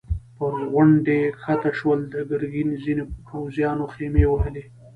پر غونډۍ کښته شول، د ګرګين ځينو پوځيانو خيمې وهلې.